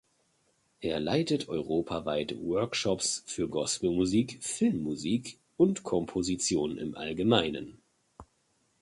Er leitet europaweit Workshops für Gospelmusik, Filmmusik und Komposition im Allgemeinen.